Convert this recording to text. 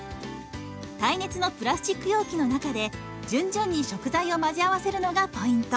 耐熱のプラスチック容器の中で順々に食材を混ぜ合わせるのがポイント。